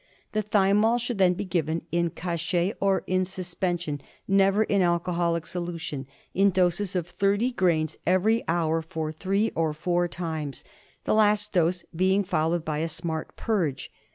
The ''^ thymol should then be given in ^_ JM cachet or in suspension — never in ■ 1^^ alcoholic solution — in doses of thirty ^Kl grains every hour for three or four ^Ks i times, the last dose being followed ■"■ by a smart purge.